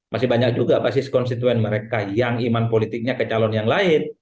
masih banyak juga pasti konstituen mereka yang iman politiknya ke calon yang lain